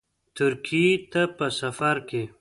ترکیې ته په سفرکې